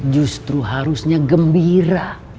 justru harusnya gembira